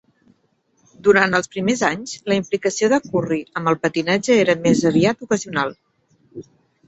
Durant els primers anys, la implicació de Curry amb el patinatge era més aviat ocasional.